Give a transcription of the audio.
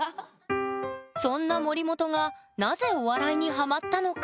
そんな森本がなぜお笑いにハマったのか？